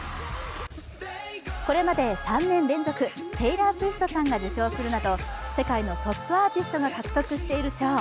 これまで３年連続、テイラー・スウィフトさんが受賞するなど世界のトップアーティストが獲得している賞。